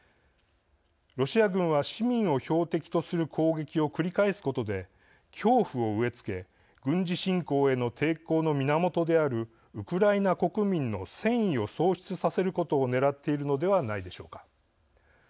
ロシア軍は市民を標的とする攻撃を繰り返すことで、恐怖を植え付け軍事侵攻への抵抗の源であるウクライナ国民の戦意を喪失させることを狙っているのではないでしょうか。